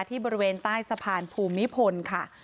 ที่บริเวณใต้สะพานภูมิพลค่ะ